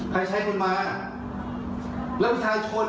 ใครใช้คุณมาแล้ววิทยาลัยชนด่าผมทั้งประเทศ